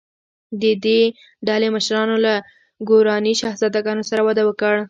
د دې ډلې مشرانو له ګوراني شهزادګانو سره واده وکړ.